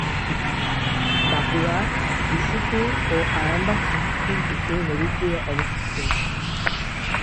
বাঁকুড়া, বিষ্ণুপুর ও আরামবাগ শহর তিনটি এই নদীর তীরে অবস্থিত।